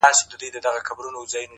دا ستا شعرونه مي د زړه آواز دى.